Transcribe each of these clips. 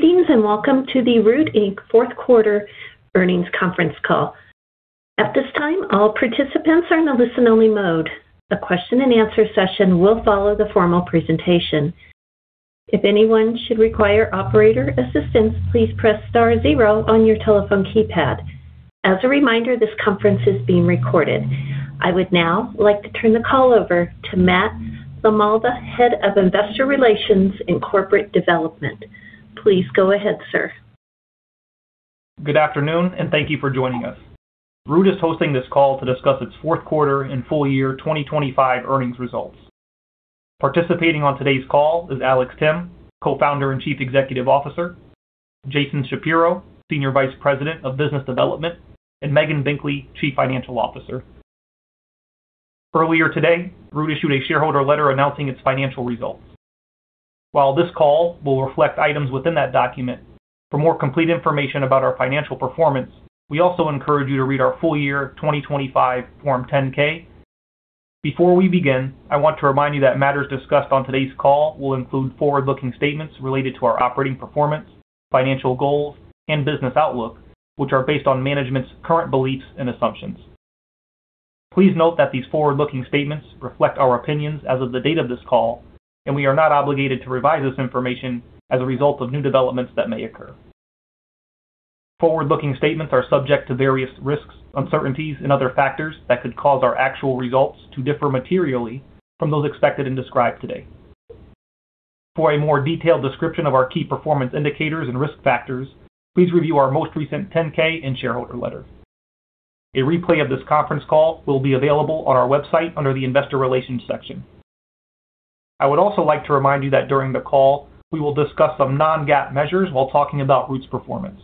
Greetings, welcome to the Root, Inc. fourth quarter earnings conference call. At this time, all participants are in a listen-only mode. A question and answer session will follow the formal presentation. If anyone should require operator assistance, please press star zero on your telephone keypad. As a reminder, this conference is being recorded. I would now like to turn the call over to Matt LaMalva, Head of Investor Relations and Corporate Development. Please go ahead, sir. Good afternoon. Thank you for joining us. Root is hosting this call to discuss its fourth quarter and full year 2025 earnings results. Participating on today's call is Alex Timm, Co-founder and Chief Executive Officer; Jason Shapiro, Senior Vice President of Business Development; and Megan Binkley, Chief Financial Officer. Earlier today, Root issued a shareholder letter announcing its financial results. While this call will reflect items within that document, for more complete information about our financial performance, we also encourage you to read our full year 2025 Form 10-K. Before we begin, I want to remind you that matters discussed on today's call will include forward-looking statements related to our operating performance, financial goals, and business outlook, which are based on management's current beliefs and assumptions. Please note that these forward-looking statements reflect our opinions as of the date of this call, and we are not obligated to revise this information as a result of new developments that may occur. Forward-looking statements are subject to various risks, uncertainties, and other factors that could cause our actual results to differ materially from those expected and described today. For a more detailed description of our key performance indicators and risk factors, please review our most recent Form 10-K and shareholder letter. A replay of this conference call will be available on our website under the Investor Relations section. I would also like to remind you that during the call, we will discuss some non-GAAP measures while talking about Root's performance.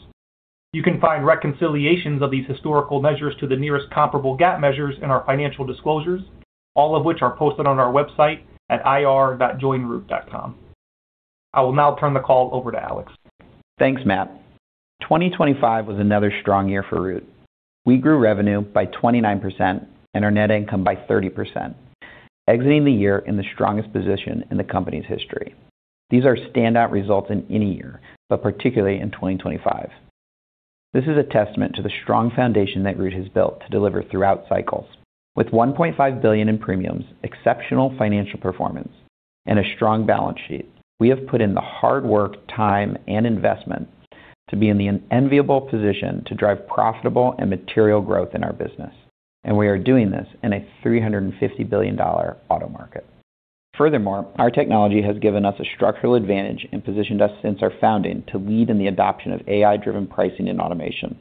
You can find reconciliations of these historical measures to the nearest comparable GAAP measures in our financial disclosures, all of which are posted on our website at ir.joinroot.com. I will now turn the call over to Alex. Thanks, Matt. 2025 was another strong year for Root. We grew revenue by 29% and our net income by 30%, exiting the year in the strongest position in the company's history. These are standout results in any year, but particularly in 2025. This is a testament to the strong foundation that Root has built to deliver throughout cycles. With $1.5 billion in premiums, exceptional financial performance, and a strong balance sheet, we have put in the hard work, time, and investment to be in the enviable position to drive profitable and material growth in our business, and we are doing this in a $350 billion auto market. Furthermore, our technology has given us a structural advantage and positioned us since our founding to lead in the adoption of AI-driven pricing and automation.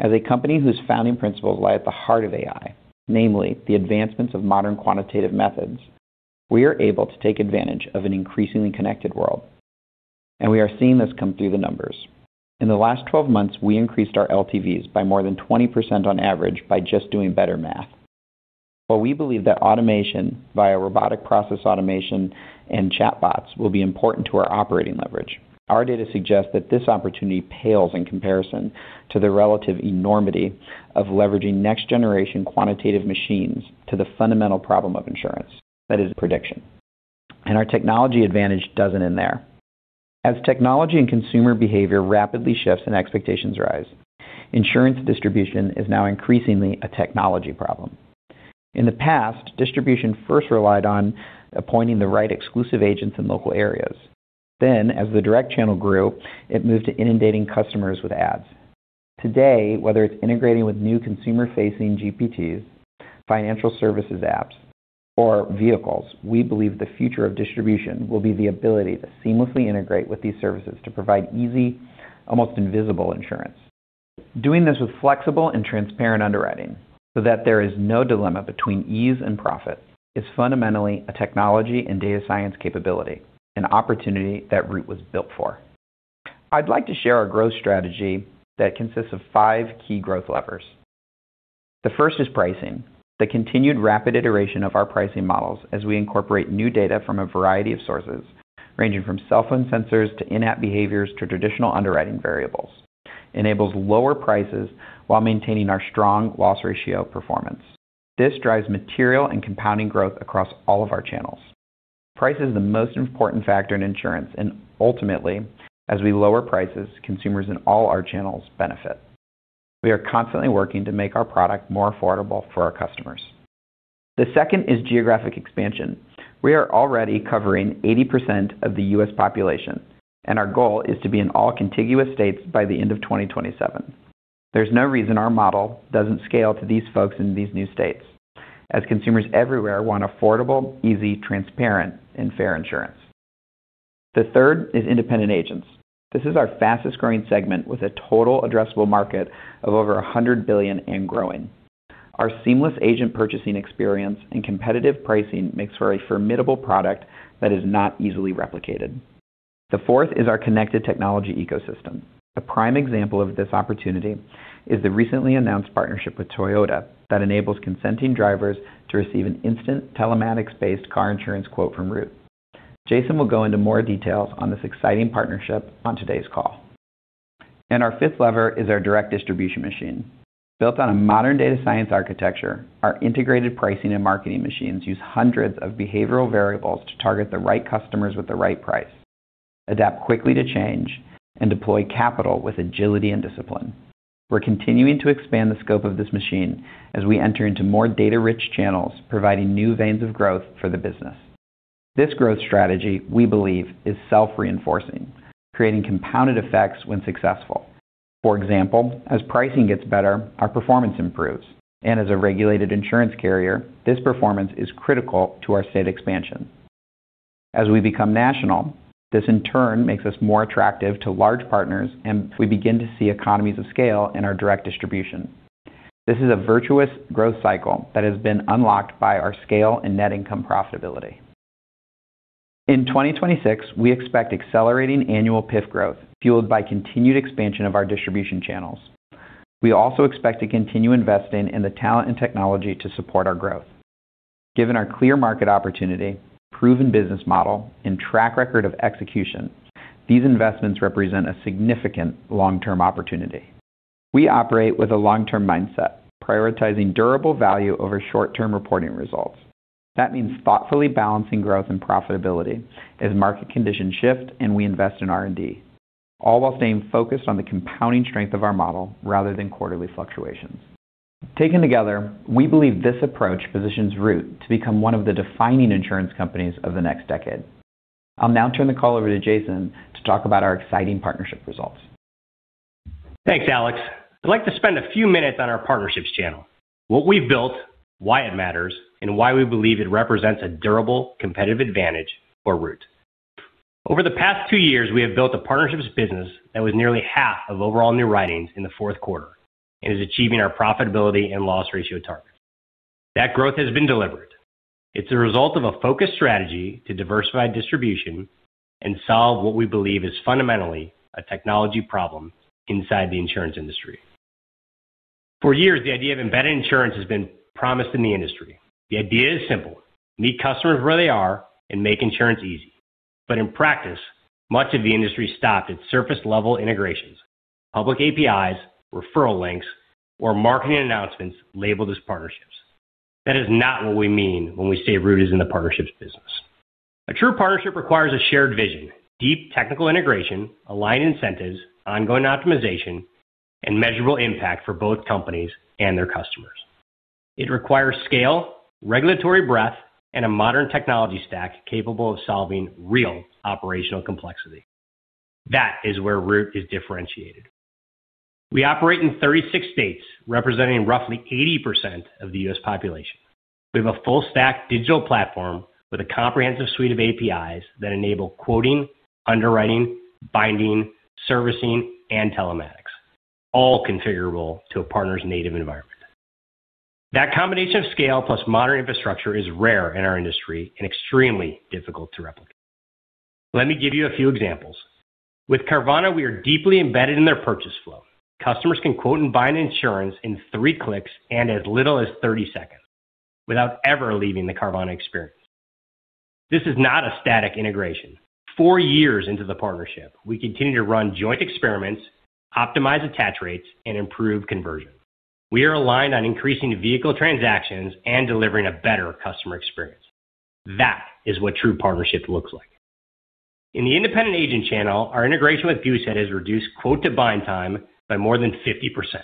As a company whose founding principles lie at the heart of AI, namely the advancements of modern quantitative methods, we are able to take advantage of an increasingly connected world, we are seeing this come through the numbers. In the last 12 months, we increased our LTVs by more than 20% on average by just doing better math. While we believe that automation via robotic process automation and chatbots will be important to our operating leverage, our data suggests that this opportunity pales in comparison to the relative enormity of leveraging next-generation quantitative machines to the fundamental problem of insurance, that is prediction. Our technology advantage doesn't end there. As technology and consumer behavior rapidly shifts and expectations rise, insurance distribution is now increasingly a technology problem. In the past, distribution first relied on appointing the right exclusive agents in local areas. As the direct channel grew, it moved to inundating customers with ads. Today, whether it's integrating with new consumer-facing GPTs, financial services apps, or vehicles, we believe the future of distribution will be the ability to seamlessly integrate with these services to provide easy, almost invisible insurance. Doing this with flexible and transparent underwriting so that there is no dilemma between ease and profit, is fundamentally a technology and data science capability, an opportunity that Root was built for. I'd like to share our growth strategy that consists of 5 key growth levers. The first is pricing. The continued rapid iteration of our pricing models as we incorporate new data from a variety of sources, ranging from cell phone sensors, to in-app behaviors, to traditional underwriting variables, enables lower prices while maintaining our strong loss ratio performance. This drives material and compounding growth across all of our channels. Price is the most important factor in insurance, and ultimately, as we lower prices, consumers in all our channels benefit. We are constantly working to make our product more affordable for our customers. The second is geographic expansion. We are already covering 80% of the U.S. population, and our goal is to be in all contiguous states by the end of 2027. There's no reason our model doesn't scale to these folks in these new states, as consumers everywhere want affordable, easy, transparent, and fair insurance. The third is independent agents. This is our fastest-growing segment, with a total addressable market of over $100 billion and growing. Our seamless agent purchasing experience and competitive pricing makes for a formidable product that is not easily replicated. The fourth is our connected technology ecosystem. A prime example of this opportunity is the recently announced partnership with Toyota that enables consenting drivers to receive an instant telematics-based car insurance quote from Root. Jason will go into more details on this exciting partnership on today's call. Our fifth lever is our direct distribution machine. Built on a modern data science architecture, our integrated pricing and marketing machines use hundreds of behavioral variables to target the right customers with the right price, adapt quickly to change, and deploy capital with agility and discipline. We're continuing to expand the scope of this machine as we enter into more data-rich channels, providing new veins of growth for the business. This growth strategy, we believe, is self-reinforcing, creating compounded effects when successful. For example, as pricing gets better, our performance improves, and as a regulated insurance carrier, this performance is critical to our state expansion. As we become national, this, in turn, makes us more attractive to large partners, and we begin to see economies of scale in our direct distribution. This is a virtuous growth cycle that has been unlocked by our scale and net income profitability. In 2026, we expect accelerating annual PIF growth, fueled by continued expansion of our distribution channels. We also expect to continue investing in the talent and technology to support our growth. Given our clear market opportunity, proven business model, and track record of execution, these investments represent a significant long-term opportunity. We operate with a long-term mindset, prioritizing durable value over short-term reporting results. That means thoughtfully balancing growth and profitability as market conditions shift and we invest in R&D, all while staying focused on the compounding strength of our model rather than quarterly fluctuations. Taken together, we believe this approach positions Root to become one of the defining insurance companies of the next decade. I'll now turn the call over to Jason to talk about our exciting partnership results. Thanks, Alex. I'd like to spend a few minutes on our partnerships channel, what we've built, why it matters, and why we believe it represents a durable competitive advantage for Root. Over the past 2 years, we have built a partnerships business that was nearly half of overall new writings in the 4th quarter and is achieving our profitability and loss ratio target. That growth has been delivered. It's a result of a focused strategy to diversify distribution and solve what we believe is fundamentally a technology problem inside the insurance industry. For years, the idea of embedded insurance has been promised in the industry. The idea is simple: meet customers where they are and make insurance easy. In practice, much of the industry stopped at surface-level integrations, public APIs, referral links, or marketing announcements labeled as partnerships. That is not what we mean when we say Root is in the partnerships business. A true partnership requires a shared vision, deep technical integration, aligned incentives, ongoing optimization, and measurable impact for both companies and their customers. It requires scale, regulatory breadth, and a modern technology stack capable of solving real operational complexity. That is where Root is differentiated. We operate in 36 states, representing roughly 80% of the U.S. population. We have a full-stack digital platform with a comprehensive suite of APIs that enable quoting, underwriting, binding, servicing, and telematics, all configurable to a partner's native environment. That combination of scale plus modern infrastructure is rare in our industry and extremely difficult to replicate. Let me give you a few examples. With Carvana, we are deeply embedded in their purchase flow. Customers can quote and buy an insurance in three clicks and as little as 30 seconds, without ever leaving the Carvana experience. This is not a static integration. Four years into the partnership, we continue to run joint experiments, optimize attach rates, and improve conversion. We are aligned on increasing vehicle transactions and delivering a better customer experience. That is what true partnership looks like. In the independent agent channel, our integration with Vertaore has reduced quote to bind time by more than 50%.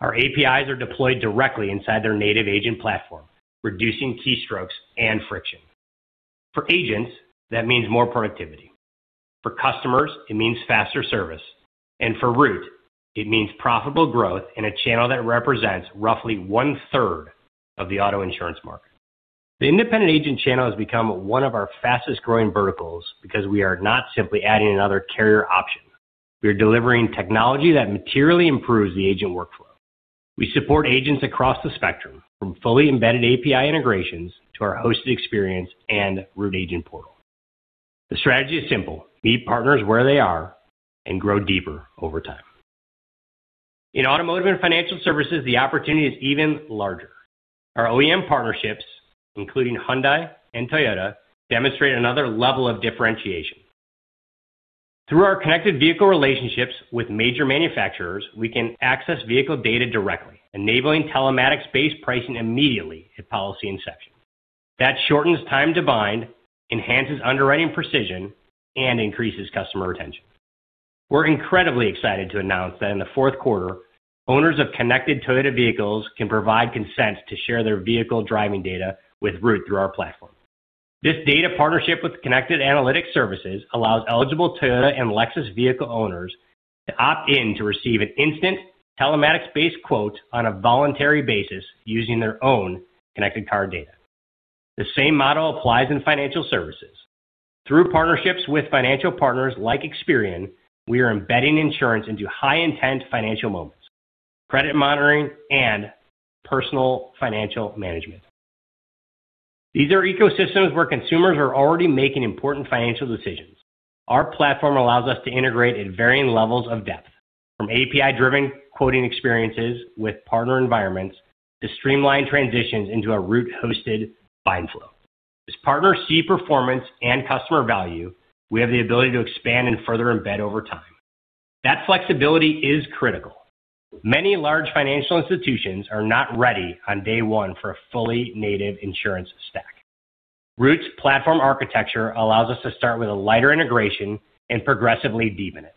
Our APIs are deployed directly inside their native agent platform, reducing keystrokes and friction. For agents, that means more productivity. For customers, it means faster service, and for Root, it means profitable growth in a channel that represents roughly 1/3 of the auto insurance market. The independent agent channel has become one of our fastest-growing verticals because we are not simply adding another carrier option. We are delivering technology that materially improves the agent workflow. We support agents across the spectrum, from fully embedded API integrations to our hosted experience and Root Agent Portal. The strategy is simple: meet partners where they are and grow deeper over time. In automotive and financial services, the opportunity is even larger. Our OEM partnerships, including Hyundai and Toyota, demonstrate another level of differentiation. Through our connected vehicle relationships with major manufacturers, we can access vehicle data directly, enabling telematics-based pricing immediately at policy inception. That shortens time to bind, enhances underwriting precision, and increases customer retention. We're incredibly excited to announce that in the fourth quarter, owners of connected Toyota vehicles can provide consent to share their vehicle driving data with Root through our platform. This data partnership with Connected Analytics Services allows eligible Toyota and Lexus vehicle owners to opt in to receive an instant telematics-based quote on a voluntary basis, using their own connected car data. The same model applies in financial services. Through partnerships with financial partners like Experian, we are embedding insurance into high-intent financial moments, credit monitoring, and personal financial management. These are ecosystems where consumers are already making important financial decisions. Our platform allows us to integrate at varying levels of depth, from API-driven quoting experiences with partner environments to streamlined transitions into a Root-hosted bind flow. As partners see performance and customer value, we have the ability to expand and further embed over time. That flexibility is critical. Many large financial institutions are not ready on day one for a fully native insurance stack. Root's platform architecture allows us to start with a lighter integration and progressively deepen it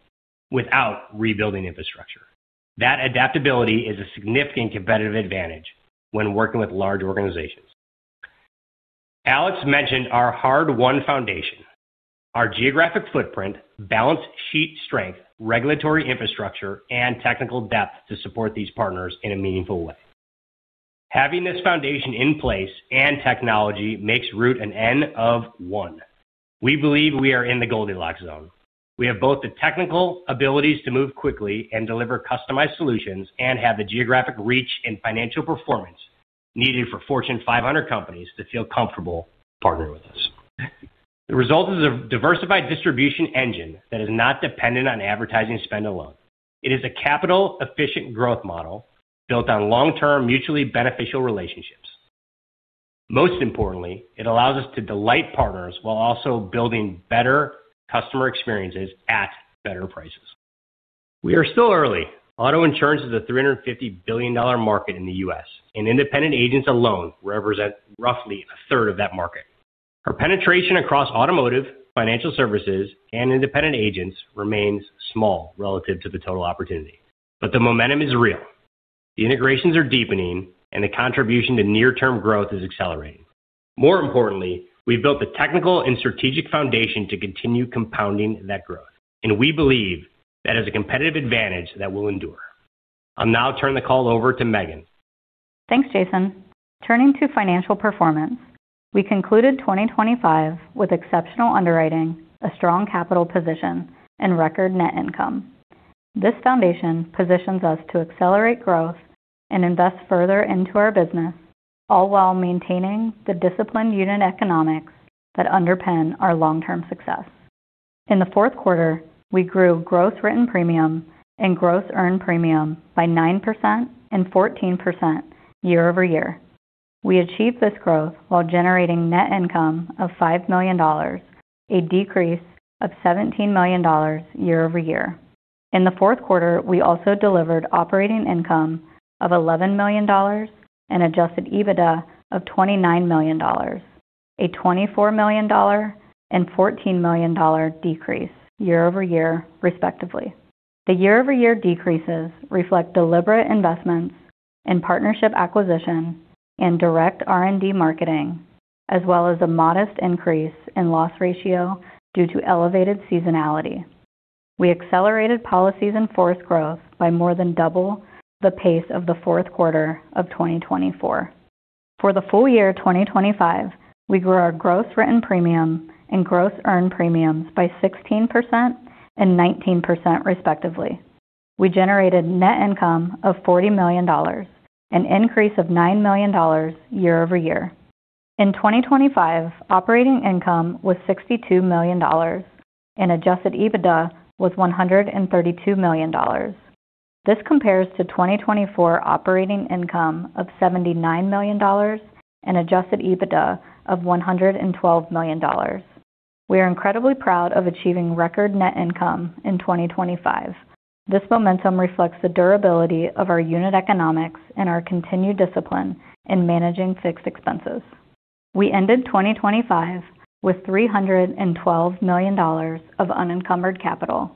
without rebuilding infrastructure. That adaptability is a significant competitive advantage when working with large organizations. Alex mentioned our hard-won foundation, our geographic footprint, balance sheet strength, regulatory infrastructure, and technical depth to support these partners in a meaningful way. Having this foundation in place and technology makes Root an N-of-one. We believe we are in the Goldilocks zone. We have both the technical abilities to move quickly and deliver customized solutions and have the geographic reach and financial performance needed for Fortune 500 companies to feel comfortable partnering with us. The result is a diversified distribution engine that is not dependent on advertising spend alone. It is a capital-efficient growth model built on long-term, mutually beneficial relationships. Most importantly, it allows us to delight partners while also building better customer experiences at better prices. We are still early. Auto insurance is a $350 billion market in the U.S. Independent agents alone represent roughly a third of that market. Our penetration across automotive, financial services, and independent agents remains small relative to the total opportunity. The momentum is real. The integrations are deepening. The contribution to near-term growth is accelerating. More importantly, we've built the technical and strategic foundation to continue compounding that growth. We believe that is a competitive advantage that will endure. I'll now turn the call over to Megan. Thanks, Jason. Turning to financial performance, we concluded 2025 with exceptional underwriting, a strong capital position, and record net income. This foundation positions us to accelerate growth and invest further into our business, all while maintaining the disciplined unit economics that underpin our long-term success. In the fourth quarter, we grew gross written premium and gross earned premium by 9% and 14% year-over-year. We achieved this growth while generating net income of $5 million, a decrease of $17 million year-over-year. In the fourth quarter, we also delivered operating income of $11 million and Adjusted EBITDA of $29 million, a $24 million and $14 million decrease year-over-year, respectively. The year-over-year decreases reflect deliberate investments in partnership acquisition and direct R&D marketing, as well as a modest increase in loss ratio due to elevated seasonality. We accelerated policies in force growth by more than double the pace of the fourth quarter of 2024. For the full year of 2025, we grew our gross written premium and gross earned premiums by 16% and 19%, respectively. We generated net income of $40 million, an increase of $9 million year-over-year. In 2025, operating income was $62 million, and Adjusted EBITDA was $132 million. This compares to 2024 operating income of $79 million and Adjusted EBITDA of $112 million. We are incredibly proud of achieving record net income in 2025. This momentum reflects the durability of our unit economics and our continued discipline in managing fixed expenses. We ended 2025 with $312 million of unencumbered capital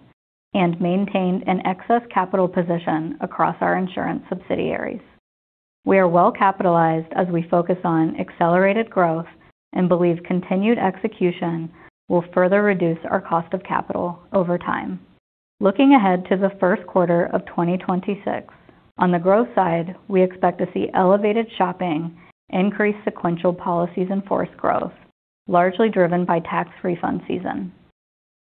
and maintained an excess capital position across our insurance subsidiaries. We are well capitalized as we focus on accelerated growth and believe continued execution will further reduce our cost of capital over time. Looking ahead to the first quarter of 2026, on the growth side, we expect to see elevated shopping, increased sequential policies in force growth, largely driven by tax refund season.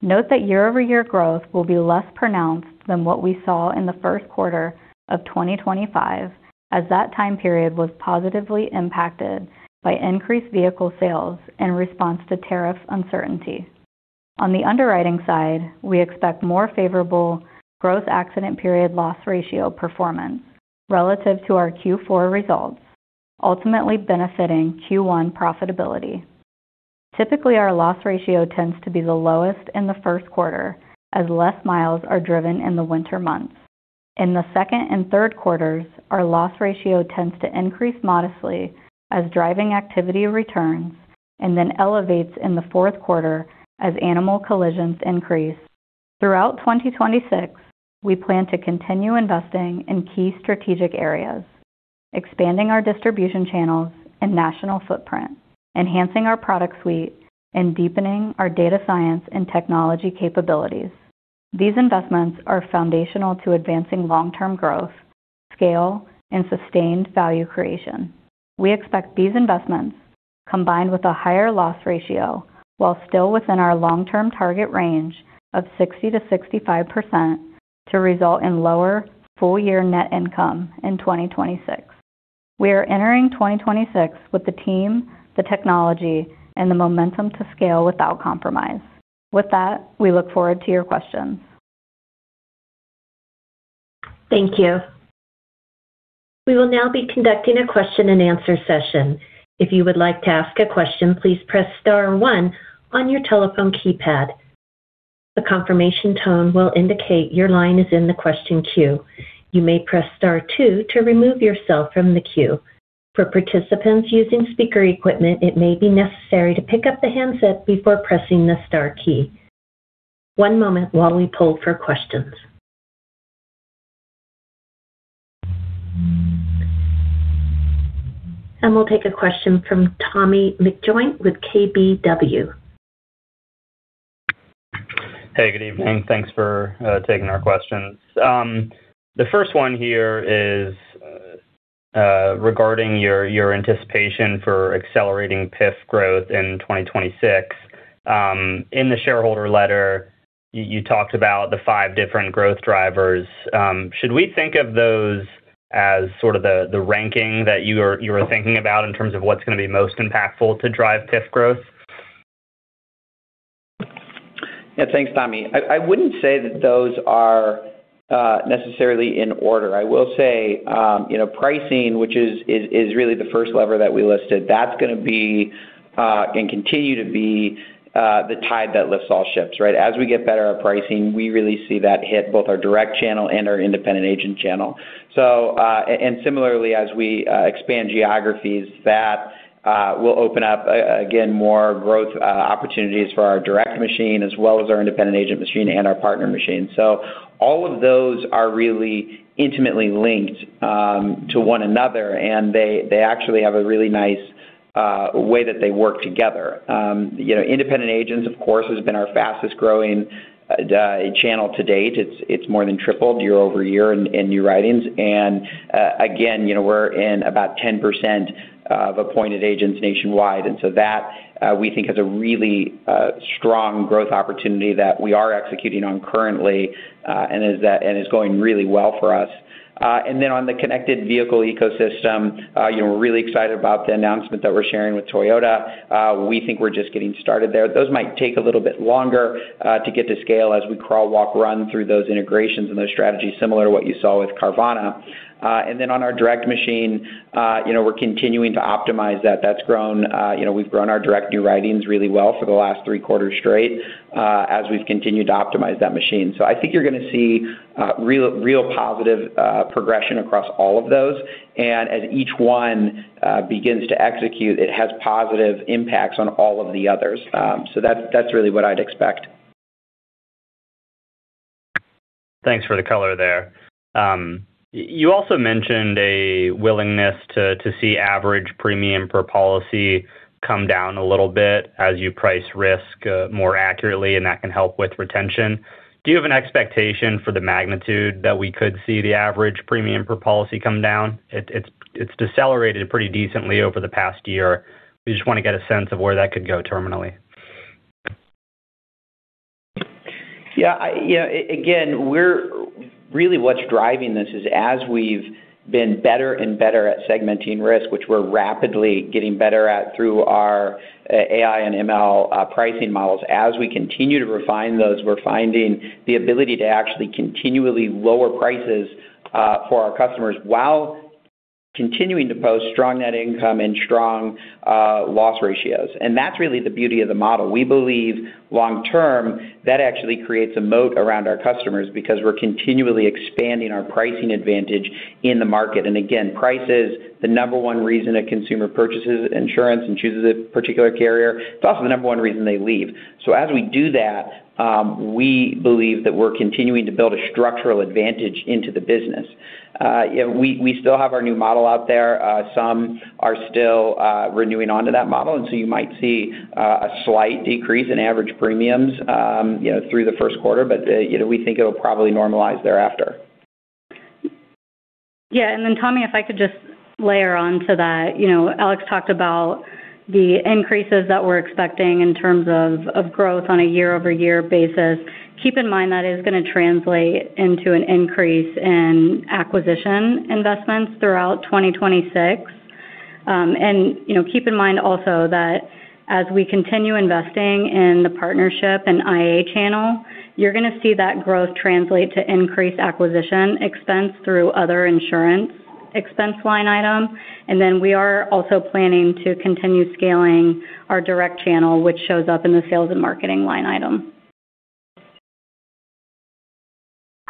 Note that year-over-year growth will be less pronounced than what we saw in the first quarter of 2025, as that time period was positively impacted by increased vehicle sales in response to tariff uncertainty. On the underwriting side, we expect more favorable gross accident period loss ratio performance relative to our Q4 results, ultimately benefiting Q1 profitability. Typically, our loss ratio tends to be the lowest in the first quarter, as less miles are driven in the winter months. In the second and third quarters, our loss ratio tends to increase modestly as driving activity returns and then elevates in the fourth quarter as animal collisions increase. Throughout 2026, we plan to continue investing in key strategic areas, expanding our distribution channels and national footprint, enhancing our product suite, and deepening our data science and technology capabilities. These investments are foundational to advancing long-term growth, scale, and sustained value creation. We expect these investments, combined with a higher loss ratio, while still within our long-term target range of 60%-65%, to result in lower full-year net income in 2026. We are entering 2026 with the team, the technology, and the momentum to scale without compromise. With that, we look forward to your questions. Thank you. We will now be conducting a question-and-answer session. If you would like to ask a question, please press star one on your telephone keypad. A confirmation tone will indicate your line is in the question queue. You may press star two to remove yourself from the queue. For participants using speaker equipment, it may be necessary to pick up the handset before pressing the star key. One moment while we poll for questions. We'll take a question from Tommy McJoynt-Griffith with KBW. Hey, good evening. Thanks for taking our questions. The first one here is regarding your anticipation for accelerating PIF growth in 2026. In the shareholder letter, you talked about the five different growth drivers. Should we think of those as sort of the ranking that you were thinking about in terms of what's going to be most impactful to drive PIF growth? Thanks, Tommy. I wouldn't say that those are necessarily in order. I will say, you know, pricing, which is really the first lever that we listed, that's going to be and continue to be the tide that lifts all ships, right? As we get better at pricing, we really see that hit both our direct channel and our independent agent channel. Similarly, as we expand geographies, that will open up, again, more growth opportunities for our direct machine as well as our independent agent machine and our partner machine. All of those are really intimately linked to one another, and they actually have a really nice way that they work together. You know, independent agents, of course, has been our fastest-growing channel to date. It's more than tripled year-over-year in new writings. Again, you know, we're in about 10% of appointed agents nationwide, and so that, we think has a really strong growth opportunity that we are executing on currently, and is going really well for us. On the connected vehicle ecosystem, you know, we're really excited about the announcement that we're sharing with Toyota. We think we're just getting started there. Those might take a little bit longer to get to scale as we crawl, walk, run through those integrations and those strategies, similar to what you saw with Carvana. On our direct machine, you know, we're continuing to optimize that. That's grown, you know, we've grown our direct new writings really well for the last three quarters straight, as we've continued to optimize that machine. I think you're going to see, real positive, progression across all of those. As each one, begins to execute, it has positive impacts on all of the others. That's, that's really what I'd expect. Thanks for the color there. You also mentioned a willingness to see average premium per policy come down a little bit as you price risk more accurately, and that can help with retention. Do you have an expectation for the magnitude that we could see the average premium per policy come down? It's decelerated pretty decently over the past year. We just want to get a sense of where that could go terminally. Yeah, again, really what's driving this is as we've been better and better at segmenting risk, which we're rapidly getting better at through our AI and ML pricing models, as we continue to refine those, we're finding the ability to actually continually lower prices for our customers while continuing to post strong net income and strong loss ratios. That's really the beauty of the model. We believe long term, that actually creates a moat around our customers because we're continually expanding our pricing advantage in the market. Again, price is the number one reason a consumer purchases insurance and chooses a particular carrier. It's also the number one reason they leave. As we do that, we believe that we're continuing to build a structural advantage into the business. Yeah, we still have our new model out there. Some are still renewing onto that model. You might see a slight decrease in average premiums, you know, through the first quarter. You know, we think it will probably normalize thereafter. Tommy, if I could just layer on to that. You know, Alex talked about the increases that we're expecting in terms of growth on a year-over-year basis. Keep in mind that is going to translate into an increase in acquisition investments throughout 2026. You know, keep in mind also that as we continue investing in the partnership and IA channel, you're going to see that growth translate to increased acquisition expense through other insurance expense line item. We are also planning to continue scaling our direct channel, which shows up in the sales and marketing line item.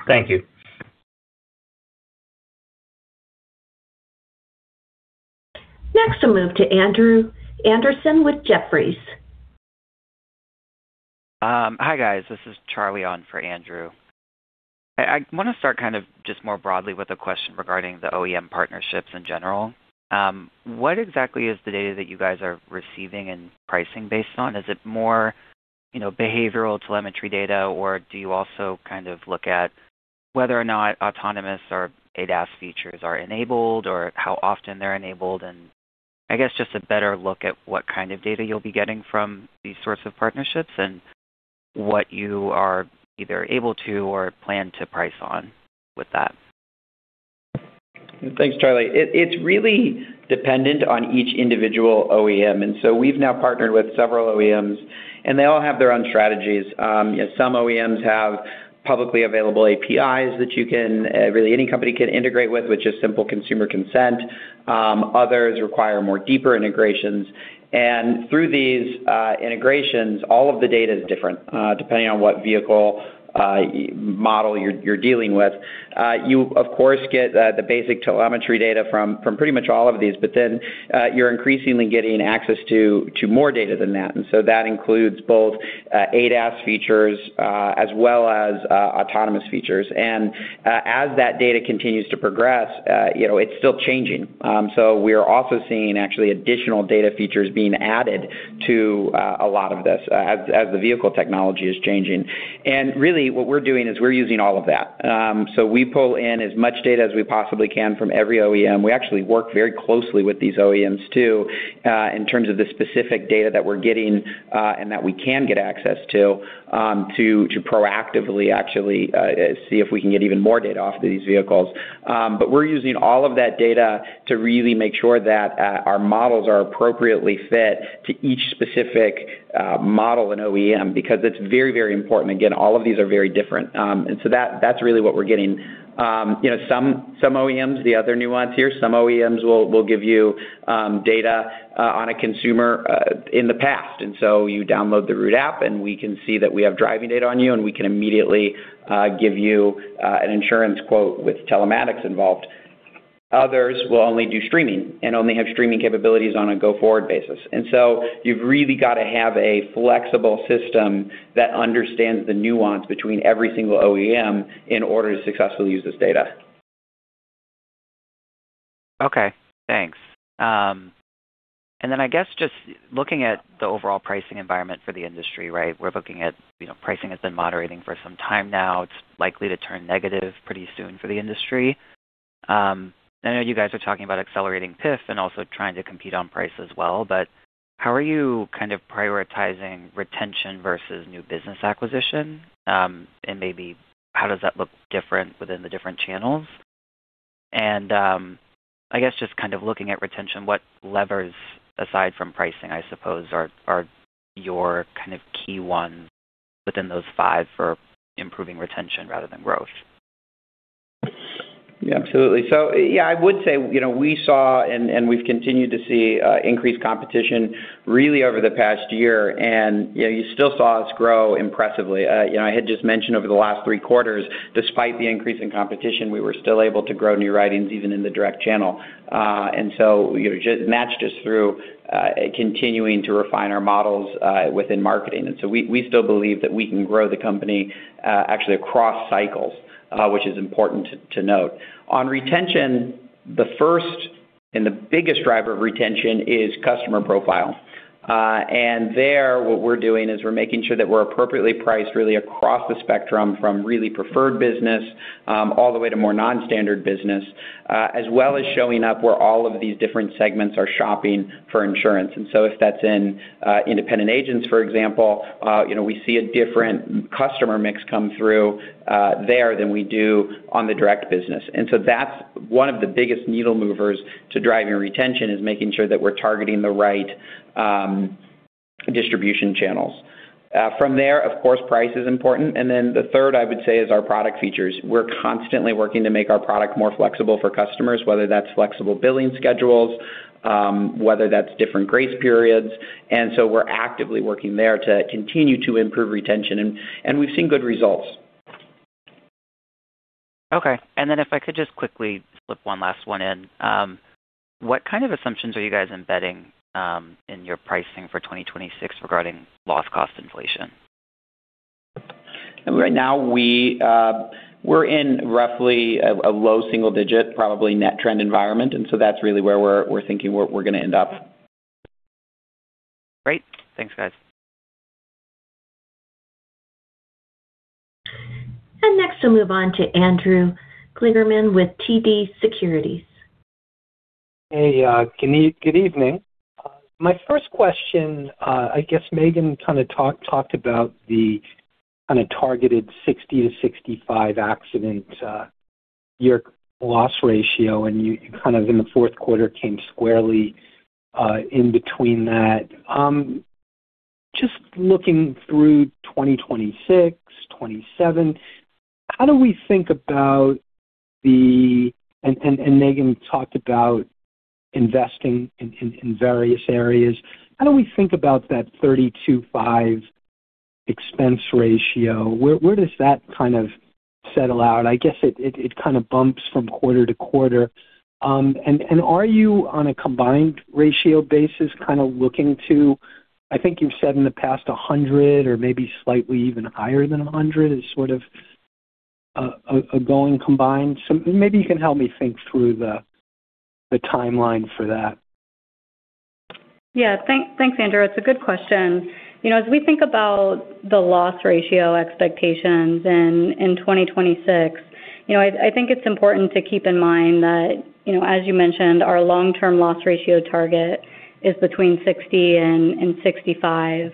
Thank you. Next, we'll move to Andrew Anderson with Jefferies. Hi, guys. This is Charlie on for Andrew. I want to start kind of just more broadly with a question regarding the OEM partnerships in general. What exactly is the data that you guys are receiving and pricing based on? Is it more, you know, behavioral telemetry data, or do you also kind of look at whether or not autonomous or ADAS features are enabled, or how often they're enabled? I guess just a better look at what kind of data you'll be getting from these sorts of partnerships and what you are either able to or plan to price on with that. Thanks, Charlie. It, it's really dependent on each individual OEM. We've now partnered with several OEMs, and they all have their own strategies. you know, some OEMs have publicly available APIs that you can really any company can integrate with, which is simple consumer consent. Others require more deeper integrations. Through these integrations, all of the data is different, depending on what vehicle model you're dealing with. You, of course, get the basic telemetry data from pretty much all of these, but then you're increasingly getting access to more data than that. That includes both ADAS features, as well as autonomous features. As that data continues to progress, you know, it's still changing. We are also seeing actually additional data features being added to a lot of this as the vehicle technology is changing. Really, what we're doing is we're using all of that. We pull in as much data as we possibly can from every OEM. We actually work very closely with these OEMs, too, in terms of the specific data that we're getting and that we can get access to, proactively actually see if we can get even more data off of these vehicles. We're using all of that data to really make sure that our models are appropriately fit to each specific model and OEM, because it's very, very important. Again, all of these are very different. That's really what we're getting. You know, some OEMs, the other nuance here, some OEMs will give you data on a consumer in the past. You download the Root app, and we can see that we have driving data on you, and we can immediately give you an insurance quote with telematics involved. Others will only do streaming and only have streaming capabilities on a go-forward basis. You've really got to have a flexible system that understands the nuance between every single OEM in order to successfully use this data. Okay, thanks. Then I guess just looking at the overall pricing environment for the industry, right? We're looking at, you know, pricing has been moderating for some time now. It's likely to turn negative pretty soon for the industry. I know you guys are talking about accelerating PIF and also trying to compete on price as well, but how are you kind of prioritizing retention versus new business acquisition? Maybe how does that look different within the different channels? I guess just kind of looking at retention, what levers, aside from pricing, I suppose, are your kind of key ones within those five for improving retention rather than growth? Yeah, absolutely. Yeah, I would say, you know, we saw and we've continued to see increased competition really over the past year, and, you know, you still saw us grow impressively. You know, I had just mentioned over the last three quarters, despite the increase in competition, we were still able to grow new writings, even in the direct channel. You know, just matched us through continuing to refine our models within marketing. We, we still believe that we can grow the company actually across cycles, which is important to note. On retention, the first and the biggest driver of retention is customer profile. And there, what we're doing is we're making sure that we're appropriately priced really across the spectrum, from really preferred business, all the way to more non-standard business, as well as showing up where all of these different segments are shopping for insurance. So if that's in independent agents, for example, you know, we see a different customer mix come through there than we do on the direct business. So that's one of the biggest needle movers to driving retention, is making sure that we're targeting the right distribution channels. From there, of course, price is important. Then the third, I would say, is our product features. We're constantly working to make our product more flexible for customers, whether that's flexible billing schedules, whether that's different grace periods, and so we're actively working there to continue to improve retention, and we've seen good results. Okay, if I could just quickly slip one last one in. What kind of assumptions are you guys embedding in your pricing for 2026 regarding loss cost inflation? Right now, we're in roughly a low single digit, probably net trend environment, and so that's really where we're thinking we're going to end up. Great. Thanks, guys. Next, we'll move on to Andrew Kligerman with TD Cowen. Good evening. My first question, I guess Megan kind of talked about the kind of targeted 60%-65% accident year loss ratio, and you kind of, in the fourth quarter, came squarely in between that. Just looking through 2026, 2027, how do we think about that? Megan talked about investing in various areas. How do we think about that 32.5% expense ratio? Where does that kind of settle out? I guess it kind of bumps from quarter to quarter. And are you, on a combined ratio basis, kind of looking to, I think you've said in the past, 100% or maybe slightly even higher than 100% is sort of a going combined? Maybe you can help me think through the timeline for that. Thanks, Andrew. It's a good question. You know, as we think about the loss ratio expectations in 2026, you know, I think it's important to keep in mind that, you know, as you mentioned, our long-term loss ratio target is between 60 and 65.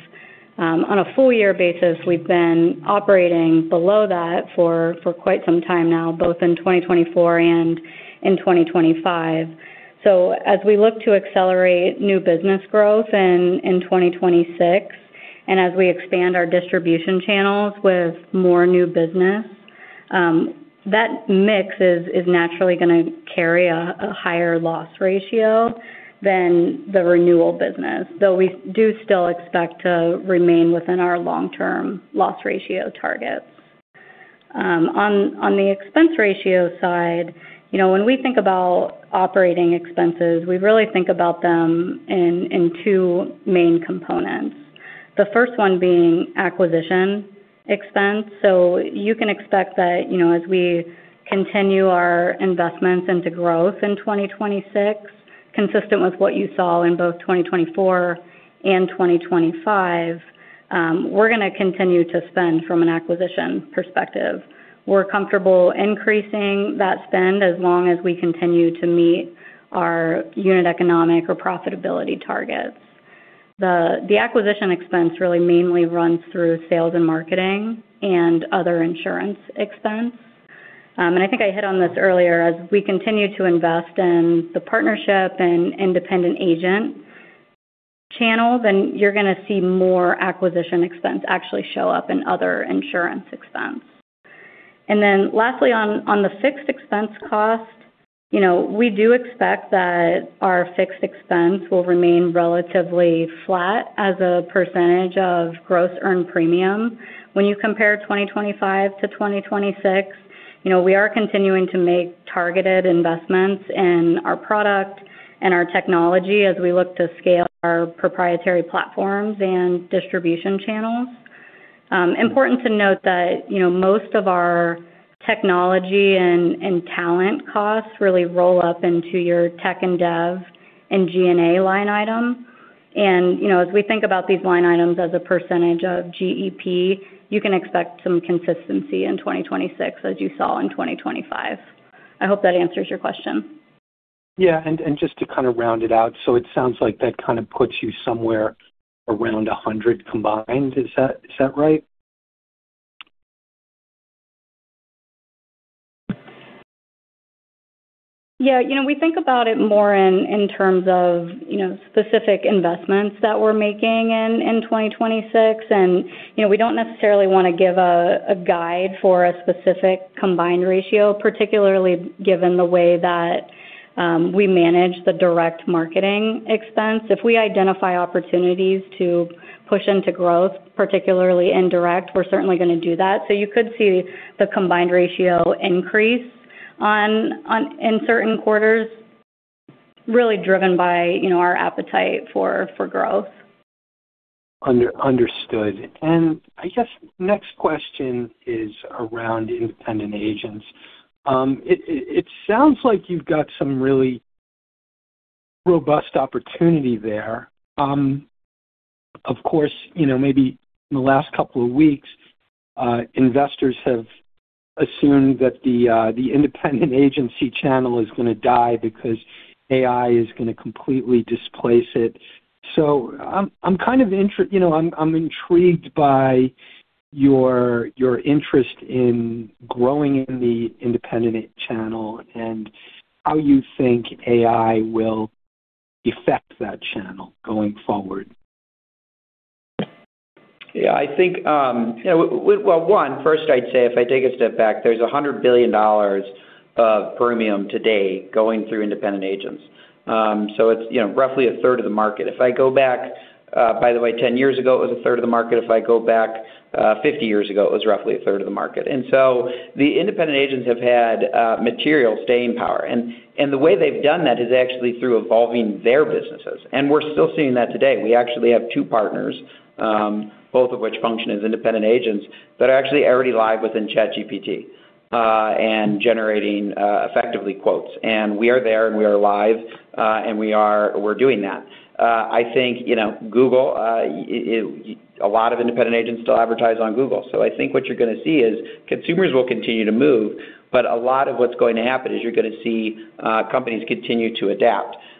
On a full year basis, we've been operating below that for quite some time now, both in 2024 and in 2025. As we look to accelerate new business growth in 2026, and as we expand our distribution channels with more new business, that mix is naturally gonna carry a higher loss ratio than the renewal business, though we do still expect to remain within our long-term loss ratio targets. On the expense ratio side, you know, when we think about operating expenses, we really think about them in two main components. The first one being acquisition expense. You can expect that, you know, as we continue our investments into growth in 2026, consistent with what you saw in both 2024 and 2025, we're gonna continue to spend from an acquisition perspective. We're comfortable increasing that spend as long as we continue to meet our unit economic or profitability targets. The acquisition expense really mainly runs through sales and marketing and other insurance expense. I think I hit on this earlier. As we continue to invest in the partnership and independent agent channels, you're gonna see more acquisition expense actually show up in other insurance expense. Lastly, on the fixed expense cost, you know, we do expect that our fixed expense will remain relatively flat as a percentage of gross earned premium. When you compare 2025 to 2026, you know, we are continuing to make targeted investments in our product and our technology as we look to scale our proprietary platforms and distribution channels. Important to note that, you know, most of our technology and talent costs really roll up into your tech and dev and G&A line item. You know, as we think about these line items as a percentage of GEP, you can expect some consistency in 2026, as you saw in 2025. I hope that answers your question. Yeah, just to kind of round it out, it sounds like that kind of puts you somewhere around 100% combined. Is that right? Yeah. You know, we think about it more in terms of, you know, specific investments that we're making in 2026. You know, we don't necessarily want to give a guide for a specific combined ratio, particularly given the way that we manage the direct marketing expense. If we identify opportunities to push into growth, particularly in direct, we're certainly going to do that. You could see the combined ratio increase on in certain quarters, really driven by, you know, our appetite for growth. understood. I guess next question is around independent agents. It sounds like you've got some really robust opportunity there. Of course, you know, maybe in the last couple of weeks, investors have assumed that the independent agency channel is going to die because AI is going to completely displace it. You know, I'm intrigued by your interest in growing in the independent channel and how you think AI will affect that channel going forward. Yeah, I think, you know, well, one, first, I'd say if I take a step back, there's $100 billion of premium today going through independent agents. It's, you know, roughly a third of the market. If I go back, by the way, 10 years ago, it was a third of the market. If I go back, 50 years ago, it was roughly a third of the market. So the independent agents have had material staying power, and the way they've done that is actually through evolving their businesses, and we're still seeing that today. We actually have 2 partners, both of which function as independent agents, that are actually already live within ChatGPT, and generating, effectively, quotes. We are there, and we are live, and we're doing that. I think, you know, Google, a lot of independent agents still advertise on Google. I think what you're gonna see is consumers will continue to move, but a lot of what's going to happen is you're gonna see companies continue to adapt. You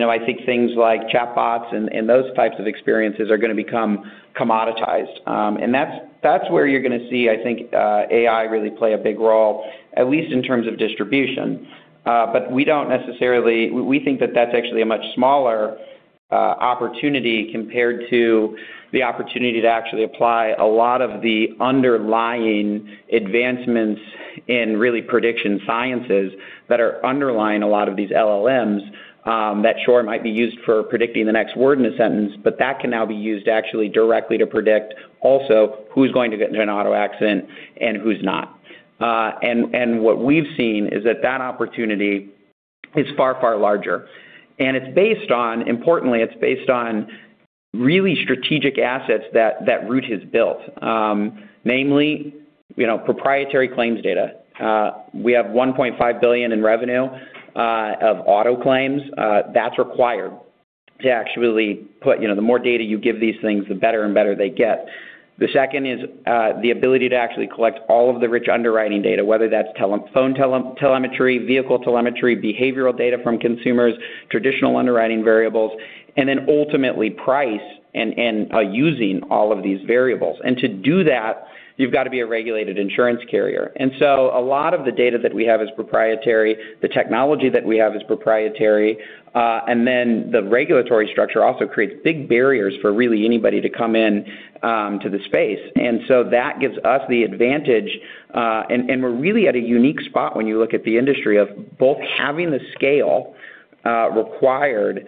know, I think things like chatbots and those types of experiences are gonna become commoditized, and that's where you're gonna see, I think, AI really play a big role, at least in terms of distribution. We don't. We think that that's actually a much smaller opportunity compared to the opportunity to actually apply a lot of the underlying advancements in really prediction sciences that are underlying a lot of these LLMs. That sure might be used for predicting the next word in a sentence, but that can now be used actually directly to predict also who's going to get into an auto accident and who's not. What we've seen is that opportunity is far larger, and it's based on. Importantly, it's based on really strategic assets that Root has built. Namely, you know, proprietary claims data. We have $1.5 billion in revenue of auto claims. That's required to actually put, you know, the more data you give these things, the better they get. The second is the ability to actually collect all of the rich underwriting data, whether that's telephone telemetry, vehicle telemetry, behavioral data from consumers, traditional underwriting variables, and then ultimately price and by using all of these variables. To do that, you've got to be a regulated insurance carrier. A lot of the data that we have is proprietary. The technology that we have is proprietary, and then the regulatory structure also creates big barriers for really anybody to come in to the space. That gives us the advantage. We're really at a unique spot when you look at the industry of both having the scale required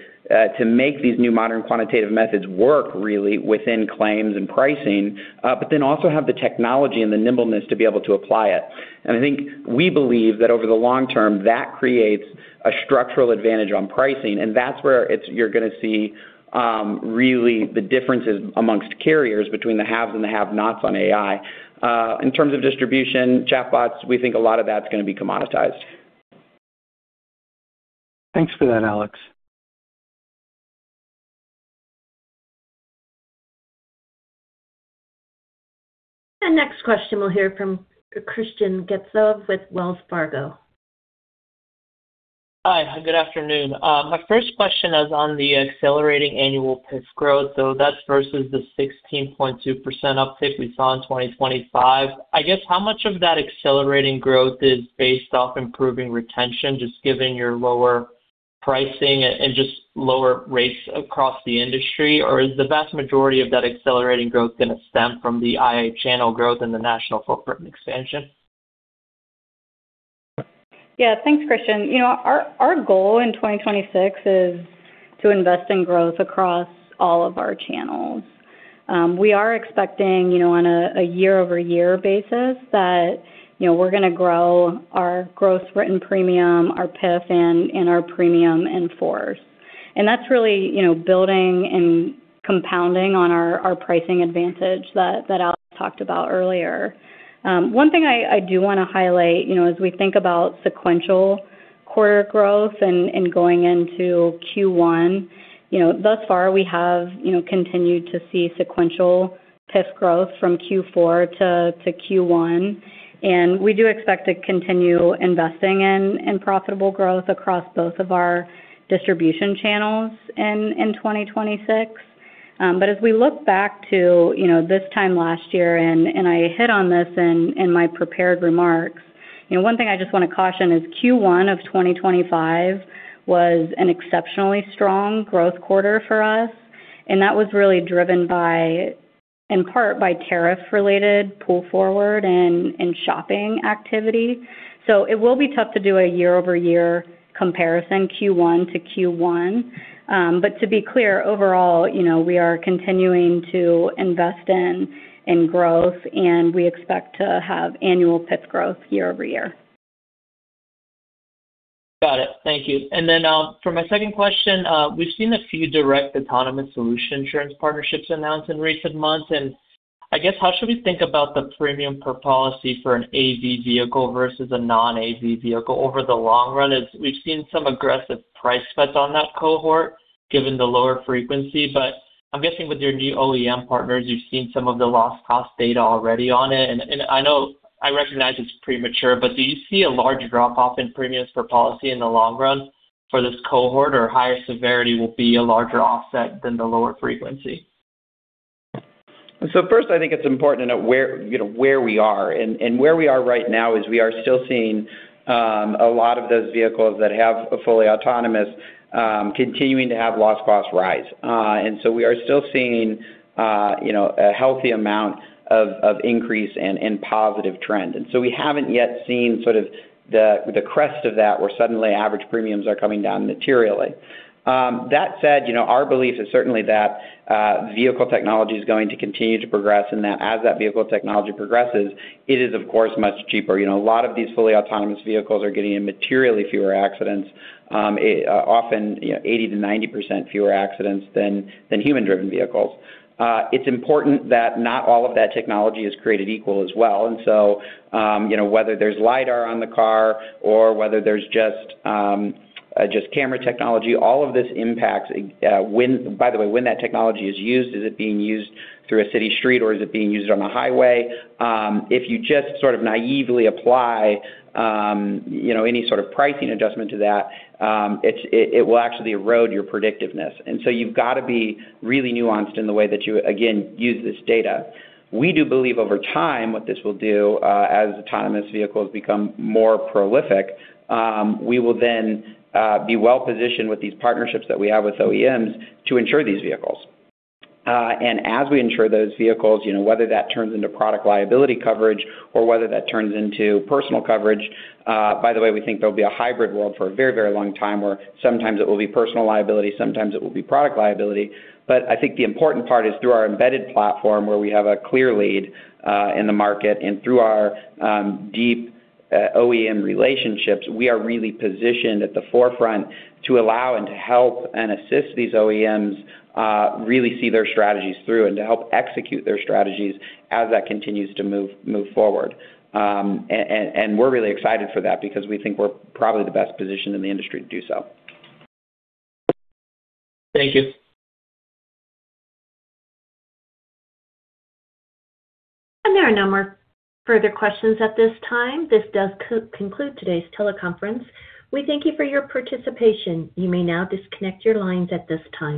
to make these new modern quantitative methods work really within claims and pricing, but then also have the technology and the nimbleness to be able to apply it. I think we believe that over the long term, that creates a structural advantage on pricing, and that's where you're going to see really the differences amongst carriers, between the haves and the have-nots on AI. In terms of distribution, chatbots, we think a lot of that's going to be commoditized. Thanks for that, Alex. The next question we'll hear from Elyse Greenspan with Wells Fargo. Hi, good afternoon. My first question is on the accelerating annual PIF growth, that's versus the 16.2% uptake we saw in 2025. I guess, how much of that accelerating growth is based off improving retention, just given your lower pricing and just lower rates across the industry? Is the vast majority of that accelerating growth going to stem from the IA channel growth and the national footprint expansion? Yeah. Thanks, Elyse. You know, our goal in 2026 is to invest in growth across all of our channels. We are expecting, you know, on a year-over-year basis that, you know, we're going to grow our gross written premium, our PIF, and our premium in force. That's really, you know, building and compounding on our pricing advantage that Alex talked about earlier. One thing I do want to highlight, you know, as we think about sequential quarter growth and going into Q1, you know, thus far we have, you know, continued to see sequential PIF growth from Q4 to Q1. We do expect to continue investing in profitable growth across both of our distribution channels in 2026. As we look back to, you know, this time last year, and I hit on this in my prepared remarks, you know, one thing I just want to caution is Q1 of 2025 was an exceptionally strong growth quarter for us, and that was really driven by, in part, by tariff-related pull forward and shopping activity. It will be tough to do a year-over-year comparison, Q1 to Q1. To be clear, overall, you know, we are continuing to invest in growth, and we expect to have annual PIF growth year over year. Got it. Thank you. For my second question, we've seen a few direct autonomous solution insurance partnerships announced in recent months, and I guess, how should we think about the premium per policy for an AV vehicle versus a non-AV vehicle over the long run, as we've seen some aggressive price cuts on that cohort, given the lower frequency. I'm guessing with your new OEM partners, you've seen some of the loss cost data already on it. I know I recognize it's premature, but do you see a large drop-off in premiums for policy in the long run for this cohort, or higher severity will be a larger offset than the lower frequency? First, I think it's important to note where, you know, where we are. Where we are right now is we are still seeing a lot of those vehicles that have a fully autonomous continuing to have loss cost rise. We are still seeing, you know, a healthy amount of increase and positive trend. We haven't yet seen sort of the crest of that, where suddenly average premiums are coming down materially. That said, you know, our belief is certainly that vehicle technology is going to continue to progress, and that as that vehicle technology progresses, it is of course, much cheaper. You know, a lot of these fully autonomous vehicles are getting in materially fewer accidents, often, you know, 80%-90% fewer accidents than human-driven vehicles. It's important that not all of that technology is created equal as well. So, you know, whether there's lidar on the car or whether there's just camera technology, all of this impacts. By the way, when that technology is used, is it being used through a city street, or is it being used on a highway? If you just sort of naively apply, you know, any sort of pricing adjustment to that, it will actually erode your predictiveness. So you've got to be really nuanced in the way that you, again, use this data. We do believe over time, what this will do, as autonomous vehicles become more prolific, we will then be well positioned with these partnerships that we have with OEMs to insure these vehicles. And as we insure those vehicles, you know, whether that turns into product liability coverage or whether that turns into personal coverage, by the way, we think there'll be a hybrid world for a very, very long time, where sometimes it will be personal liability, sometimes it will be product liability. I think the important part is through our embedded platform, where we have a clear lead in the market, and through our deep OEM relationships, we are really positioned at the forefront to allow and to help and assist these OEMs really see their strategies through and to help execute their strategies as that continues to move forward. We're really excited for that because we think we're probably the best positioned in the industry to do so. Thank you. There are no more further questions at this time. This does conclude today's teleconference. We thank you for your participation. You may now disconnect your lines at this time.